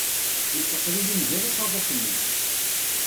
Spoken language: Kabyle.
Nekk aql-iyi mgal usaḍuf-nni.